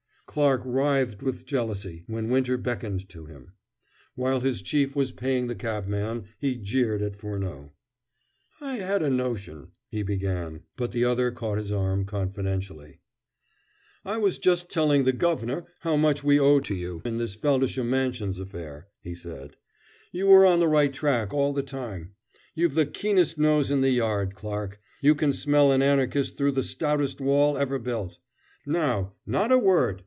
Clarke writhed with jealousy when Winter beckoned to him. While his chief was paying the cabman, he jeered at Furneaux. "I had a notion " he began, but the other caught his arm confidentially. "I was just telling the guv'nor how much we owe to you in this Feldisham Mansions affair," he said. "You were on the right track all the time. You've the keenest nose in the Yard, Clarke. You can smell an Anarchist through the stoutest wall ever built. Now, not a word!